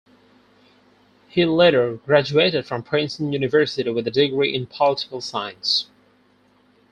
He later graduated from Princeton University with a degree in political science.